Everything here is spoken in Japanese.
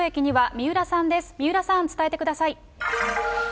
三浦さん伝えてください。